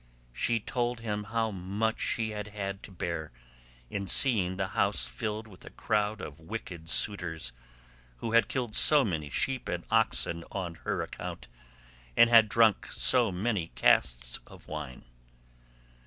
She told him how much she had had to bear in seeing the house filled with a crowd of wicked suitors who had killed so many sheep and oxen on her account, and had drunk so many casks of wine.